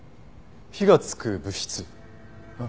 火がつく物質？